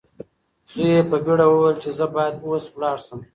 زوی یې په بیړه وویل چې زه باید اوس لاړ شم.